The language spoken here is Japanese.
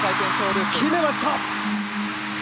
決めました！